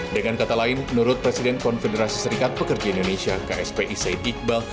dengan kata lain menurut presiden konfederasi serikat pekerja indonesia kspi said iqbal